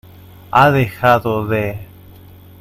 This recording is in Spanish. ha dejado de...